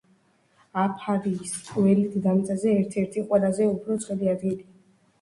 აფარის ველი დედამიწაზე ერთ-ერთი ყველაზე უფრო ცხელი ადგილია.